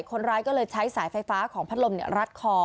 คนร้ายก็เลยใช้สายไฟฟ้าของพัดลมรัดคอ